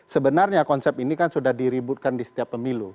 sebenarnya konsep ini kan sudah diributkan di setiap pemilu